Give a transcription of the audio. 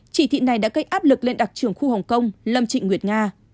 chỉ thị này đã gây áp lực lên đặc trưởng khu hồng kông lâm trịnh nguyệt nga